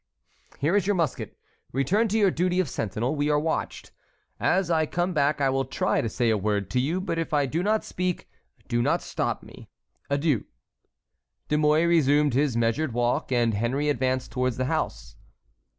"Here is your musket; return to your duty of sentinel. We are watched. As I come back I will try to say a word to you, but if I do not speak, do not stop me. Adieu." De Mouy resumed his measured walk, and Henry advanced towards the house.